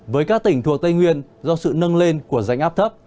với các tỉnh thuộc tây nguyên do sự nâng lên của rãnh áp thấp